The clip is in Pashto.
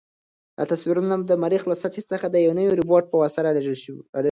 دا تصویرونه د مریخ له سطحې څخه د نوي روبوټ په واسطه رالېږل شوي.